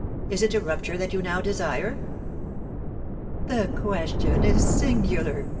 Is it a rupture that you now desire?" "The question is singular!"